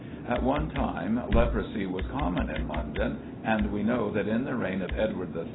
At one time leprosy was common in London, and we know that in the reign of Edward III.